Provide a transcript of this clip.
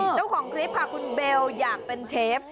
เจ้าของคลิปค่ะคุณเบลอยากเป็นเชฟ